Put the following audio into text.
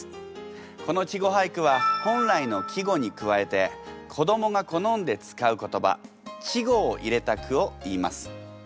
この稚語俳句は本来の季語に加えて子どもが好んで使う言葉稚語を入れた句をいいます。